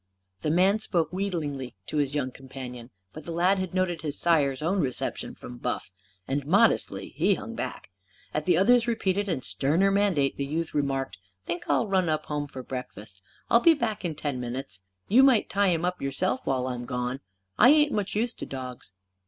The man spoke wheedlingly to his young companion. But the lad had noted his sire's own reception from Buff. And, modestly, he hung back. At the other's repeated and sterner mandate, the youth remarked: "Think I'll run up home for breakfast. I'll be back in ten minutes. You might tie him up, yourself, while I'm gone. I ain't much used to dogs."